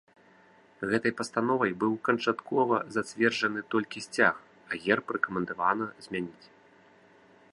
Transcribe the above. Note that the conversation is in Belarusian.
Гэтай пастановай быў канчаткова зацверджаны толькі сцяг, а герб рэкамендавана змяніць.